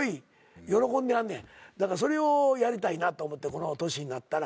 それをやりたいなと思ってこの年になったら。